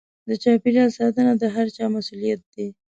د چاپېريال ساتنه د هر چا مسووليت دی.